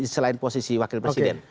selain posisi wakil presiden